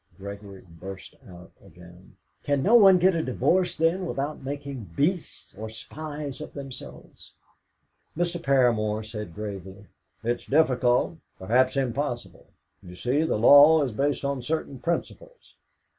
Gregory burst out again: "Can no one get a divorce, then, without making beasts or spies of themselves?" Mr. Paramor said gravely "It is difficult, perhaps impossible. You see, the law is based on certain principles."